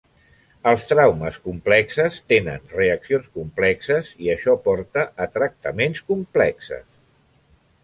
Els traumes complexes tenen reaccions complexes, i això porta a tractaments complexes.